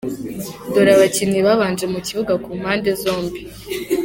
Dore abakinnyi babanje mu kibuga ku mpande zombi .